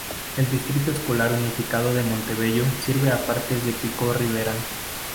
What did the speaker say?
El Distrito Escolar Unificado de Montebello sirve a partes de Pico Rivera.